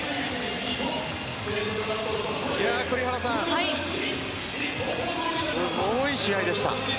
栗原さん、すごい試合でした。